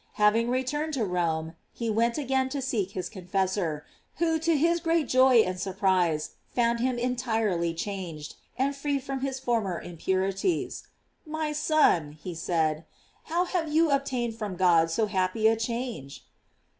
Having returned to Home, he went again to seek his confessor, who to his great joy and surprise, found him entirely chang ed, and free from his former impurities. "My son," he said, "how have you obtained from God so happy a change?"